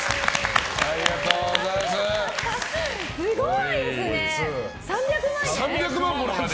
すごいですね。